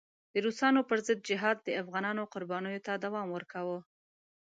د روسانو پر ضد جهاد د افغانانو قربانیو ته دوام ورکاوه.